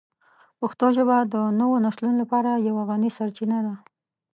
پښتو ژبه د نوو نسلونو لپاره یوه غني سرچینه ده.